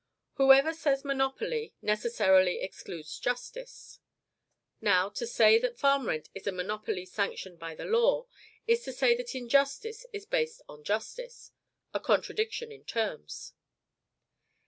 Whoever says monopoly, necessarily excludes justice. Now, to say that farm rent is a monopoly sanctioned by the law, is to say that injustice is based on justice, a contradiction in terms.